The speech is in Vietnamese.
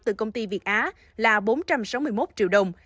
từ công ty việt á là bốn trăm sáu mươi một triệu đồng